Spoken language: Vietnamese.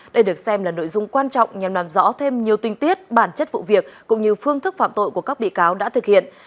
đây được xem là nội dung quan trọng nhằm làm rõ thêm nhiều tinh tiết bản chất vụ việc cũng như phương thức phạm tội của các bị cáo đã thực hiện